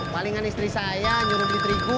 palingan istri saya nyuruh beli terigu